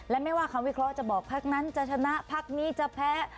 และไม่ว่าคำวิเคราะห์จะบอกพักนั้นจะชนะพักนี้จะแพ้